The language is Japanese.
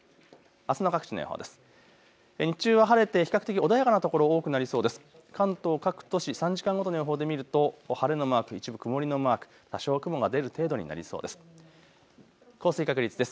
あすの各地の予報です。